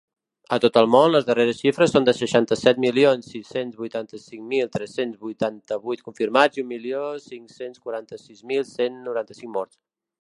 A tot el món, les darreres xifres són de seixanta-set milions sis-cents vuitanta-cinc mil tres-cents vuitanta-vuit confirmats i un milió cinc-cents quaranta-sis mil cent noranta-cinc morts.